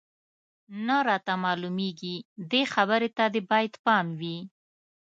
نه راته معلومېږي، دې خبرې ته دې باید پام وي.